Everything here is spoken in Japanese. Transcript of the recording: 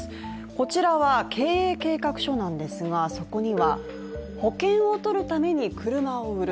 こちらは経営計画書なんですが、そこには「保険をとるために車を売る」